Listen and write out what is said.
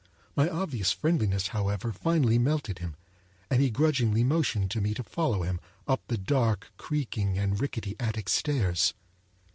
My obvious friendliness, however, finally melted him; and he grudgingly motioned to me to follow him up the dark, creaking and rickety attic stairs.